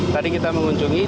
tadi kita mengunjungi di